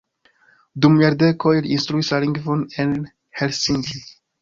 Dum jardekoj li instruis la lingvon en Helsinki.